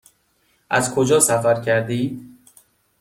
از کجا سفر کرده اید؟